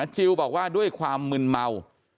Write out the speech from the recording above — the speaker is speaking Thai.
จิลบอกว่าด้วยความมึนเมา